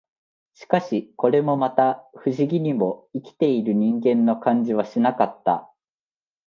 しかし、これもまた、不思議にも、生きている人間の感じはしなかった